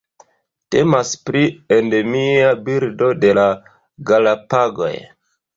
Temas pri endemia birdo de la Galapagoj.